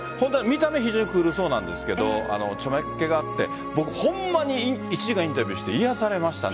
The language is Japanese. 見た目非常にクールそうなんですが茶目っ気があって僕、本当に１時間インタビューされて癒やされました。